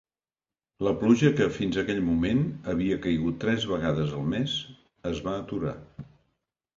La pluja que, fins aquell moment, havia caigut tres vegades al mes, es va aturar.